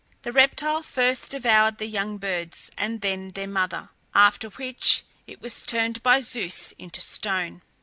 The reptile first devoured the young birds and then their mother, after which it was turned by Zeus into stone.